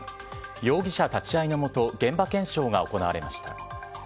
容疑者立ち会いのもと現場検証が行われました。